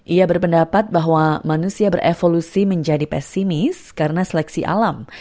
ia berpendapat bahwa manusia berevolusi menjadi pesimis karena seleksi alam